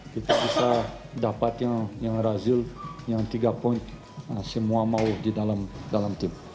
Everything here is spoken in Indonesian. kita bisa dapat yang razil yang tiga poin semua mau di dalam tim